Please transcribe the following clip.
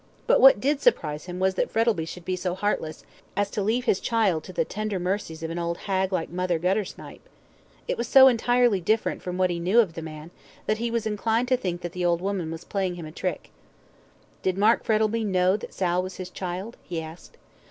But what did surprise him was that Frettlby should be so heartless, as to leave his child to the tender mercies of an old hag like Mother Guttersnipe. It was so entirely different from what he knew of the man, that he was inclined to think that the old woman was playing him a trick. "Did Mr. Frettlby know Sal was his child?" he asked.